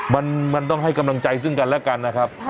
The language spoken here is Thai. มันต้องให้กำลังใจซึ่งกันและกันนะครับ